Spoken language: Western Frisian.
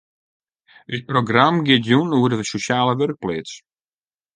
Us programma giet jûn oer de sosjale wurkpleats.